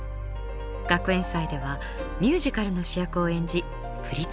学園祭ではミュージカルの主役を演じ振り付けも担当。